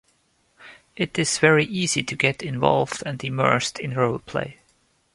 It is very easy to get involved and immersed in role-play.